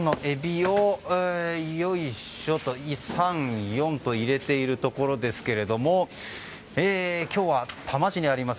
よいしょと、３、４と入れているところですが今日は多摩市にあります